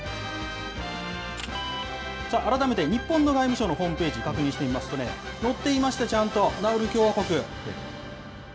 改めて日本の外務省のホームページを確認してみますとね、載っていました、ちゃんと、ナウル共和国。